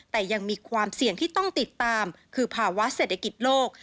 แต่ยังมีความเสี่ยงที่ต้องติดตามคือภาวะเศรษฐกิจโลก